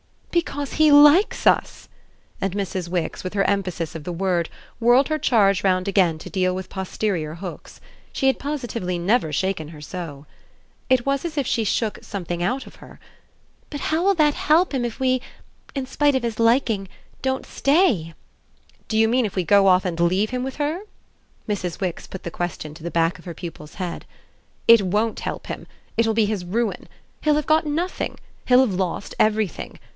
"Because he likes us!" and Mrs. Wix, with her emphasis of the word, whirled her charge round again to deal with posterior hooks. She had positively never shaken her so. It was as if she quite shook something out of her. "But how will that help him if we in spite of his liking! don't stay?" "Do you mean if we go off and leave him with her? " Mrs. Wix put the question to the back of her pupil's head. "It WON'T help him. It will be his ruin. He'll have got nothing. He'll have lost everything.